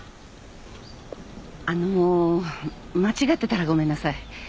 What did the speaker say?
あの間違ってたらごめんなさい。